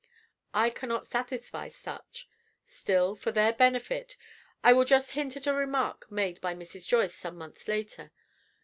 I cannot satisfy such; still, for their benefit, I will just hint at a remark made by Mrs. Joyce some months later.